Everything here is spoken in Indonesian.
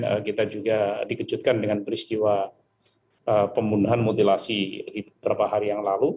sehingga dikejutkan dengan peristiwa pembunuhan mutilasi beberapa hari yang lalu